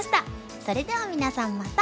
それでは皆さんまた。